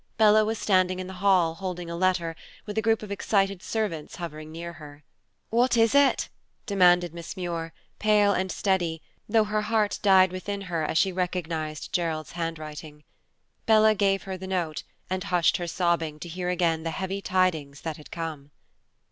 Bella was standing in the hall, holding a letter, while a group of excited servants hovered near her. "What is it?" demanded Miss Muir, pale and steady, though her heart died within her as she recognized Gerald's handwriting. Bella gave her the note, and hushed her sobbing to hear again the heavy tidings that had come.